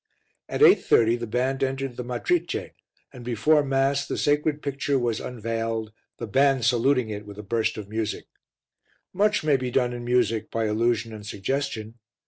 At 8.30 the band entered the Matrice, and before Mass the sacred picture was unveiled, the band saluting it with a burst of music. Much may be done in music by allusion and suggestion.